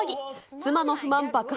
妻の不満爆発。